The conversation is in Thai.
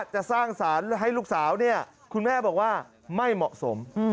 จะสร้างสารให้ลูกสาวเนี่ยคุณแม่บอกว่าไม่เหมาะสม